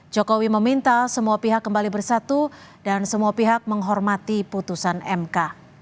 jokowi meminta semua pihak kembali bersatu dan semua pihak menghormati putusan mk